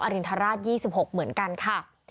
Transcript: รินทราช๒๖เหมือนกันค่ะ